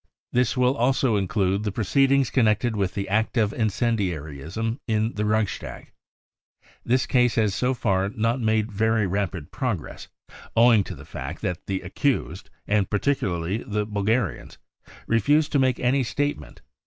This will also include the proceedings connected with the act of incendiarism in the Reichstag. This case has so far not made very rapid progress owing to the fact that the accused, and THE REAL INCENDIARIES III particularly the Bulgarians, refuse to make any state , merit.